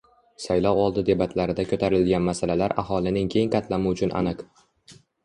Saylovoldi debatlarida ko‘tarilgan masalalar aholining keng qatlami uchun aniq